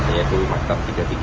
ini maktab tiga ratus tiga puluh tiga